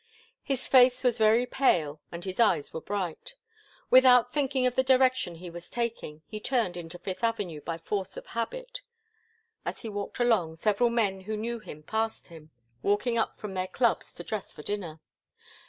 His face was very pale, and his eyes were bright. Without thinking of the direction he was taking, he turned into Fifth Avenue by force of habit. As he walked along, several men who knew him passed him, walking up from their clubs to dress for dinner.